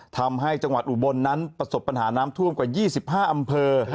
ทำให้จังหวัดอุบลนั้นประสบปัญหาน้ำท่วมกว่า๒๕อำเภอ